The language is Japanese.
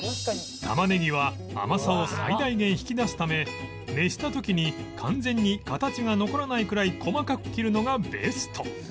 タマネギは甘さを最大限引き出すため熱した時に完全に形が残らないくらい細かく切るのがベスト